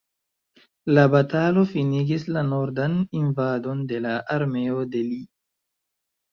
La batalo finigis la nordan invadon de la armeo de Lee.